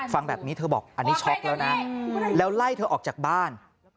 ฟังแบบนี้เธอบอกอันนี้ช็อกแล้วนะแล้วไล่เธอออกจากบ้าน